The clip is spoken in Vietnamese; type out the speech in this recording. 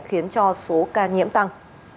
khiến cho số ca nhiễm tăng